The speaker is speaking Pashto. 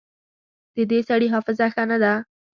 د دې سړي حافظه ښه نه ده